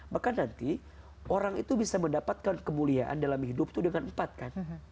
maka nanti orang itu bisa mendapatkan kemuliaan dalam hidup itu dengan empat kan